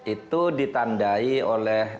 itu ditandai oleh